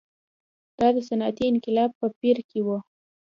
دا د صنعتي انقلاب په پېر کې و.